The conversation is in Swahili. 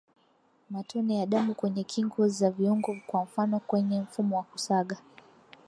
Matone ya damu kwenye kingo za viungo kwa mfano kwenye mfumo wa kusaga